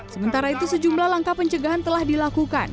sementara itu sejumlah langkah pencegahan telah dilakukan